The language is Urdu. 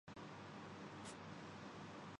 اورکیا ہوسکتاہے؟